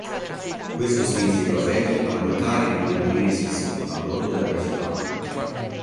Questo spinse i Profeti a bloccare ed indebolire Sisko a bordo della Defiant.